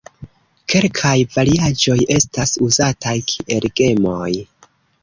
Kelkaj variaĵoj estas uzataj kiel gemoj.